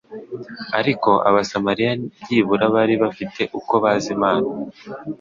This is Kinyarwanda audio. Ariko abasamariya byibura bari bafite uko bazi Imana;